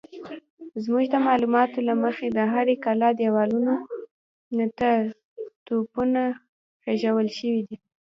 زموږ د معلوماتو له مخې د هرې کلا دېوالونو ته توپونه خېژول شوي دي.